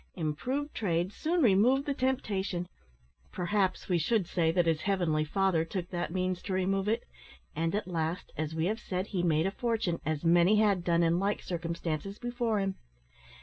Improved trade soon removed the temptation perhaps we should say that his heavenly Father took that means to remove it and at last, as we have said, he made a fortune, as many had done, in like circumstances, before him.